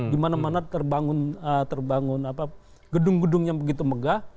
dimana mana terbangun gedung gedung yang begitu megah